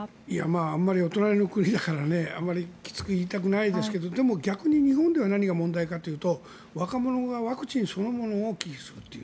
あまり、お隣の国だからきつく言いたくないですけどでも、逆に日本では何が問題かというと若者がワクチンそのものを忌避するという。